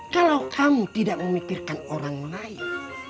kalau kamu tidak memikirkan orang lain